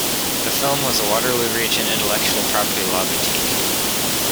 The firm was a Waterloo Region intellectual property law boutique.